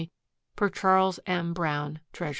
per CHAS. M. BROWN, Treas.